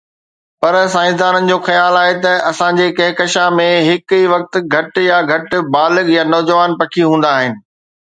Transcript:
پر سائنسدانن جو خيال آهي ته اسان جي ڪهڪشان ۾ هڪ ئي وقت گهٽ يا گهٽ بالغ يا نوجوان پکي هوندا.